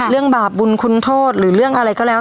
บาปบุญคุณโทษหรือเรื่องอะไรก็แล้ว